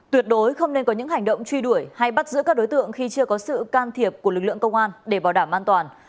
tuyệt đối không nên có những hành động truy đuổi hay bắt giữ các đối tượng khi chưa có sự can thiệp của lực lượng công an để bảo đảm an toàn